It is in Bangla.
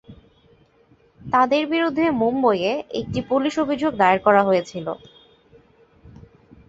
তাদের বিরুদ্ধে মুম্বইয়ে একটি পুলিশ অভিযোগ দায়ের করা হয়েছিল।